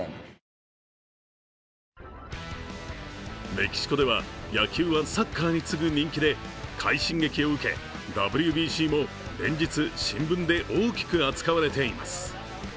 メキシコでは野球はサッカーに次ぐ人気で快進撃を受け、ＷＢＣも連日新聞で大きく扱われています。